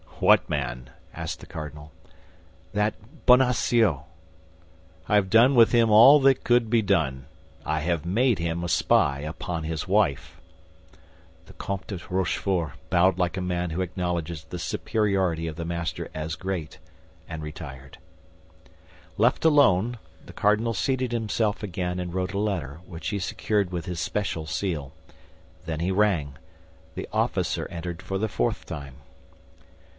"What man?" asked the cardinal. "That Bonacieux." "I have done with him all that could be done. I have made him a spy upon his wife." The Comte de Rochefort bowed like a man who acknowledges the superiority of the master as great, and retired. Left alone, the cardinal seated himself again and wrote a letter, which he secured with his special seal. Then he rang. The officer entered for the fourth time.